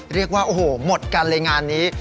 เรียกว่าโอ้โหหมดกันเลยงานนี้